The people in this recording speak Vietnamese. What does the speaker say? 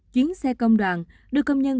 chuyến xe công đoàn đưa công nhân